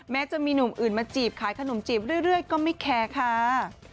จะมีหนุ่มอื่นมาจีบขายขนมจีบเรื่อยก็ไม่แคร์ค่ะ